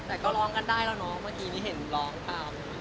แต่ก็ร้องกันได้แล้วน้องเมื่อกี้นี้เห็นร้องครับ